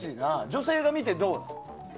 女性が見て、どう？